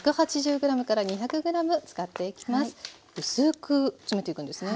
薄く詰めていくんですね。